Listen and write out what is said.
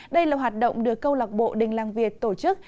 đây là hoạt động được câu lạc bộ đình làng việt tổ chức